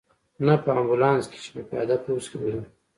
نه په امبولانس کې، چې په پیاده پوځ کې به وې.